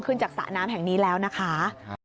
จากสระน้ำแห่งนี้แล้วนะคะ